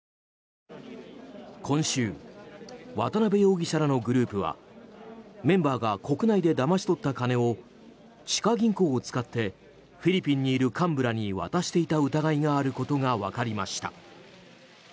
今週、渡邉容疑者らのグループはメンバーが国内でだまし取った金を地下銀行を使ってフィリピンにいる幹部らに渡していた疑いがあることが分かりました。